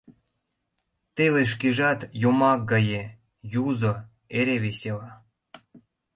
Теле шкежат — йомак гае: Юзо, эре весела.